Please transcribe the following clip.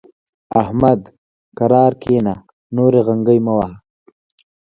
احمد؛ کرار کېنه ـ نورې غنګۍ مه وهه.